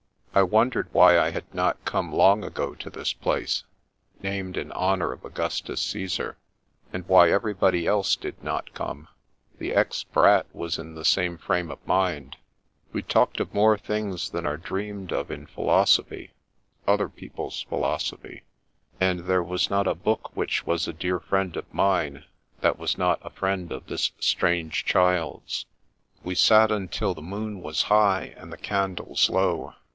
I wondered why I had not come long ago to this place, named in honour of Augustus Caesar, and why everybody else did not come. The ex Brat was in the same frame of mind. We talked of more things than are dreamed of in philosophy — (other people's philosophy) — and there was not a book which was a dear friend of mine that was not a friend of this strange child's. 143 144 The Princess Passes We sat until the moon was high, and the candles low.